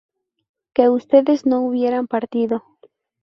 que ustedes no hubieran partido